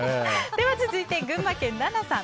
では続いて、群馬県の方。